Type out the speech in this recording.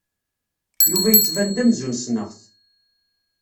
Yuba yettban-d amzun ssneɣ-t.